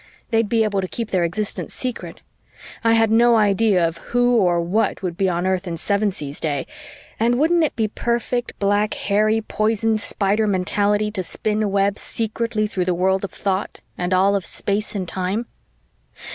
They'd be able to keep their existence secret. I had no idea of who or what would be on Earth in Sevensee's day, and wouldn't it be perfect black hairy poisoned spider mentality to spin webs secretly through the world of thought and all of space and time?